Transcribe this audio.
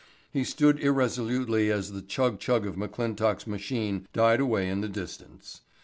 He stood irresolutely as the chug chug of McClintock's machine died away in the distance.